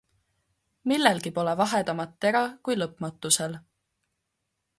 Millelgi pole vahedamat tera, kui lõpmatusel.